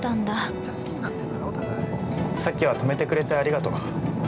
さっきは止めてくれてありがとう。